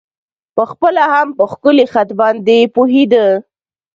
په خپله هم په ښکلی خط باندې پوهېده.